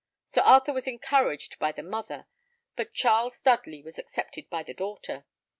Sir Arthur was encouraged by the mother, but Charles Dudley was accepted by the daughter.